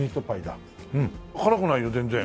辛くないよ全然。